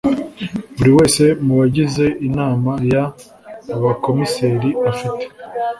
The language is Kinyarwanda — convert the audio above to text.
Buri wese mu bagize Inama y Abakomiseri afite